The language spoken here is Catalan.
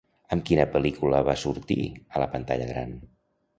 Amb quina pel·lícula va sortir a la pantalla gran?